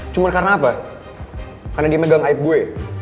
cuma karena apa karena dia megang aib gue